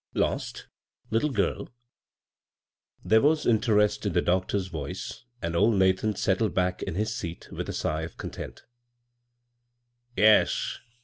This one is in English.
" Lost ? LittJe girl ?" There was real in terest in the doctor's voice, and old Nathan settled back in his seat with a sigh of content " Yes.